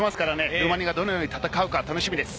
ルーマニアがどのように戦うか楽しみです。